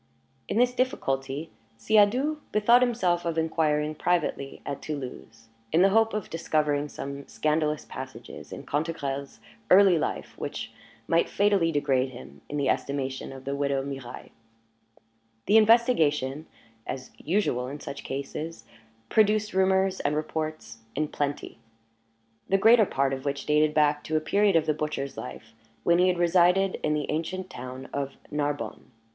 In this difficulty, Siadoux bethought himself of inquiring privately at Toulouse, in the hope of discovering some scandalous passages in Cantegrel's early life which might fatally degrade him in the estimation of the widow Mirailhe. The investigation, as usual in such cases, produced rumors and reports in plenty, the greater part of which dated back to a period of the butcher's life when he had resided in the ancient town of Narbonne.